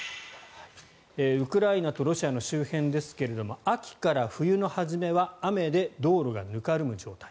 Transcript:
ウクライナとロシアの周辺ですが秋から冬の初めは雨で道路がぬかるみ状態。